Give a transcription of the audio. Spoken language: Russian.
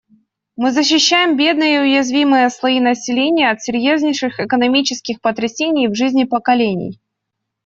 Мы защищаем бедные и уязвимые слои населения от серьезнейших экономических потрясений в жизни поколений.